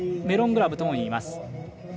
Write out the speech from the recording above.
メロングラブともいいます。